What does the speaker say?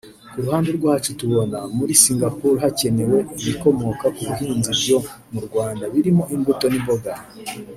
Ku ruhande rwacu tubona muri Singapore hakenewe ibikomoka ku buhinzi byo mu Rwanda birimo imbuto n’imboga